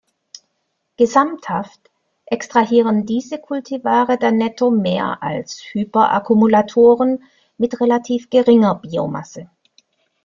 Gesamthaft extrahieren diese Kultivare dann netto mehr als Hyper-Akkumulatoren mit relativ geringer Biomasse.